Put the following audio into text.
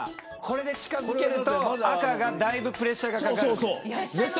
これで近づけると、赤がだいぶプレッシャーがかかる。